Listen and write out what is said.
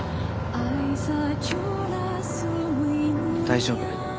大丈夫。